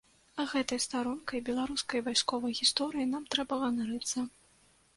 Гэтай старонкай беларускай вайсковай гісторыі нам трэба ганарыцца.